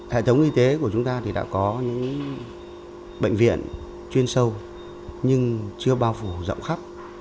hệ thống y tế của chúng ta thì đã có những bệnh viện chuyên sâu nhưng chưa bao phủ rộng khắp